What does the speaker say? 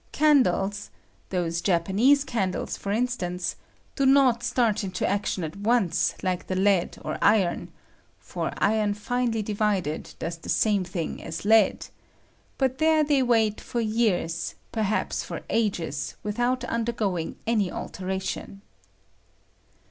Can dles — those Japanese candles, for instance— do not start into action at once hke the lead or iron (for iron finely divided does the same thing as lead), hut there they wait for years, perhaps for ages, without undergoing any alteration.